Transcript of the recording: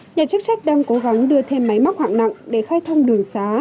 nhà chức trách đang cố gắng đưa thêm máy móc hạng nặng để khai thông đường xá